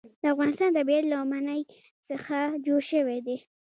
د افغانستان طبیعت له منی څخه جوړ شوی دی.